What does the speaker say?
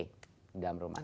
di dalam rumah